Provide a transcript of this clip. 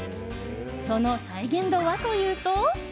その再現度はというと。